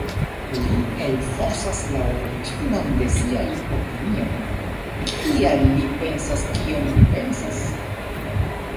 Li elfosas la originon de siaj opinioj: “kial li pensas kion li pensas?